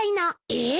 えっ！？